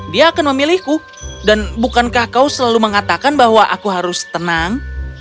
dia akan memilihku dan bukankah kau selalu mengatakan bahwa aku harus tenang